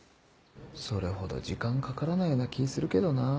それほど時間かからないような気ぃするけどなぁ。